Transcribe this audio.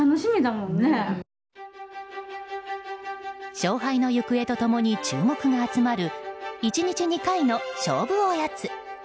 勝敗の行方と共に注目が集まる１日２回の勝負おやつ。